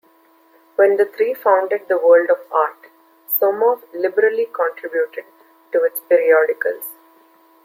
When the three founded the "World of Art", Somov liberally contributed to its periodicals.